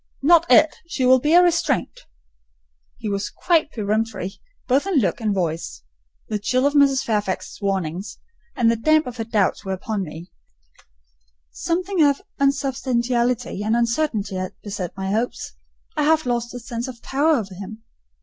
"Not it: she will be a restraint." He was quite peremptory, both in look and voice. The chill of Mrs. Fairfax's warnings, and the damp of her doubts were upon me: something of unsubstantiality and uncertainty had beset my hopes. I half lost the sense of power over him.